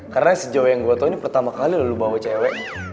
karena sejauh yang gue tau ini pertama kali lo bawa cewek